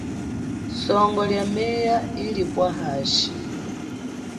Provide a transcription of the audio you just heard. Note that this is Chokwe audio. Songo lia meya ilipwa hashi.